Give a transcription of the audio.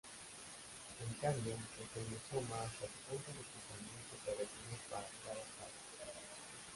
En cambio, el cromosoma hasta el punto de cruzamiento se retiene para cada padre.